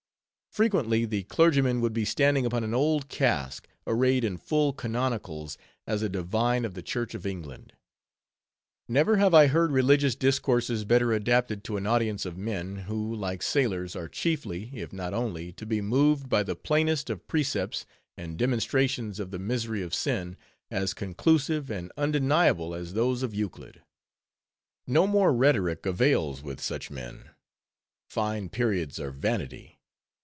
Frequently the clergyman would be standing upon an old cask, arrayed in full canonicals, as a divine of the Church of England. Never have I heard religious discourses better adapted to an audience of men, who, like sailors, are chiefly, if not only, to be moved by the plainest of precepts, and demonstrations of the misery of sin, as conclusive and undeniable as those of Euclid. No mere rhetoric avails with such men; fine periods are vanity.